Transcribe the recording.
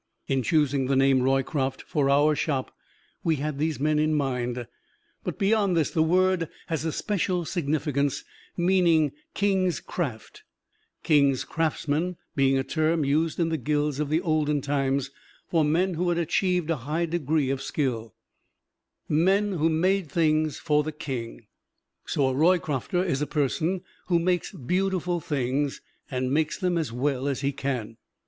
In choosing the name "Roycroft" for our Shop we had these men in mind, but beyond this the word has a special significance, meaning King's Craft King's craftsmen being a term used in the Guilds of the olden times for men who had achieved a high degree of skill men who made things for the King. So a Roycrofter is a person who makes beautiful things, and makes them as well as he can.